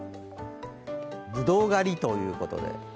ぶどう狩りということで。